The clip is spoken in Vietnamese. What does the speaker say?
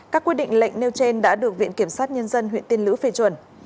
các quy định lệnh nêu trên đã được viện kiểm sát nhân dân huyện tiên lữ phê chuẩn